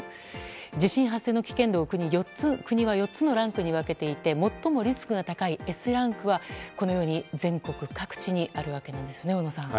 地震発生の危険度を国は４つのランクに分けていて最もリスクが高いＳランクはこのように全国各地にあるわけなんですよね、小野さん。